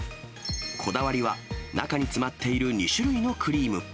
こだわりは中に詰まっている２種類のクリーム。